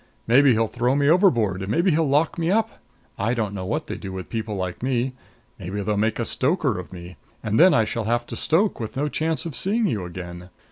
Maybe he'll throw me overboard; maybe he'll lock me up. I don't know what they do with people like me. Maybe they'll make a stoker of me. And then I shall have to stoke, with no chance of seeing you again.